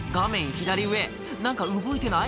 左上何か動いてない？